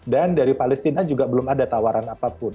dan dari palestina juga belum ada tawaran apapun